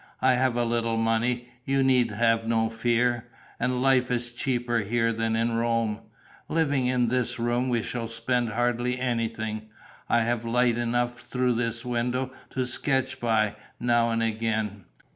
I have a little money; you need have no fear. And life is cheaper here than in Rome. Living in this room, we shall spend hardly anything. I have light enough through this window to sketch by, now and again.